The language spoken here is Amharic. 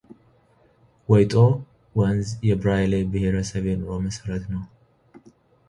ወይጦ ወንዝ የብራይሌ ብሔረሰብ የኑሮ መሠረት ነው።